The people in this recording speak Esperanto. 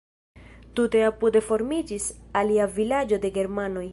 Tute apude formiĝis alia vilaĝo de germanoj.